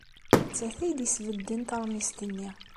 D nettat ay d-yesbedden taṛmist-nni.